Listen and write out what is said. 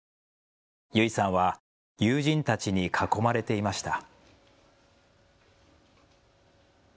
優生さんは友人たちに囲まれていました。